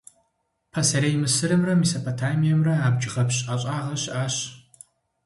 Пасэрей Мысырымрэ Месопотамиемрэ абджгъэпщ ӀэщӀагъэ щыӀащ.